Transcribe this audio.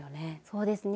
そうですね。